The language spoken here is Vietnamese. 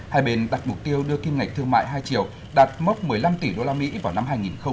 hai bên đặt mục tiêu đưa kim ngạch thương mại hai triệu đạt mốc một mươi năm tỷ usd vào năm hai nghìn hai mươi